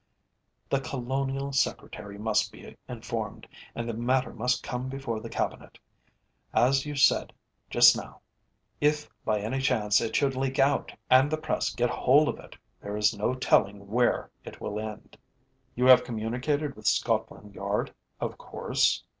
The Colonial Secretary must be informed, and the matter must come before the Cabinet. As you said just now, if by any chance it should leak out and the Press get hold of it, there is no telling where it will end." "You have communicated with Scotland Yard, of course?"